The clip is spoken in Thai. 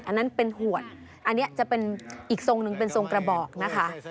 อันนั้นเป็นหวดอันนี้จะเป็นอีกทรงหนึ่งเป็นทรงกระบอกนะคะ